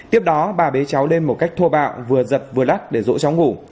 tiếp đó bà bế cháu lên một cách thua bạo vừa giật vừa lắc để dỗ cháu ngủ